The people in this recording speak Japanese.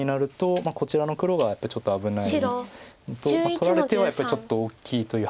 取られてはやっぱりちょっと大きいという判断です。